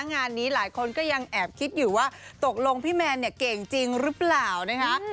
งานนี้หลายคนก็ยังแอบคิดอยู่ว่าตกลงพี่แมนเนี่ยเก่งจริงหรือเปล่านะคะ